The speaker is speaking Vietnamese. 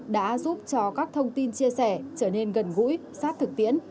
đã giúp cho các thông tin chia sẻ trở nên gần gũi sát thực tiễn